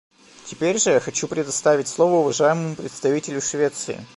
Теперь же я хочу предоставить слово уважаемому представителю Швеции.